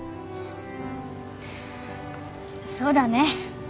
そうだね。